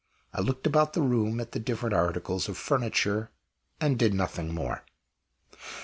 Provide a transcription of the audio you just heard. I looked about the room at the different articles of furniture, and did nothing more.